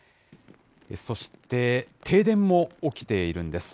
そして停電も起きているんです。